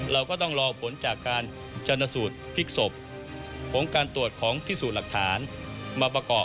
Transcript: เราก็ต้องรอผลจากการชนสูตรพลิกศพของการตรวจของพิสูจน์หลักฐานมาประกอบ